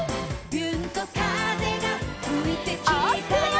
「びゅーんと風がふいてきたよ」